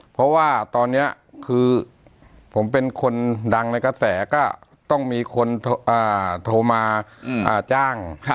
เพราะว่าตอนนี้คือผมเป็นคนดังในกระแสก็ต้องมีคนโทรมาจ้าง